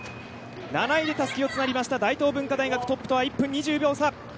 ７位でたすきをつなぎました大東文化大学、トップとは１分２４秒差。